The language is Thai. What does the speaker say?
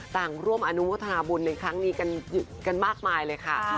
ต่างร่วมอนุโมทนาบุญในครั้งนี้กันมากมายเลยค่ะ